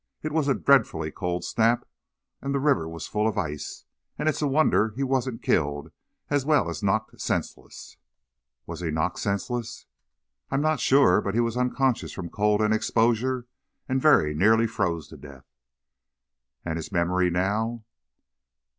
It was a dreadfully cold snap, the river was full of ice and it's a wonder he wasn't killed, as well as knocked senseless." "Was he knocked senseless?" "I'm not sure, but he was unconscious from cold and exposure and very nearly frozen to death." "And his memory now?"